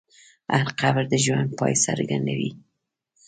هر قبر د ژوند پای څرګندوي.